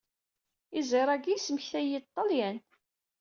Iẓir agi yesmektay-id Ṭṭelyan.